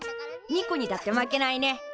ニコにだって負けないね！